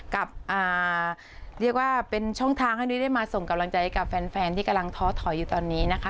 กับเรียกว่าเป็นช่องทางให้นุ้ยได้มาส่งกำลังใจกับแฟนที่กำลังท้อถอยอยู่ตอนนี้นะคะ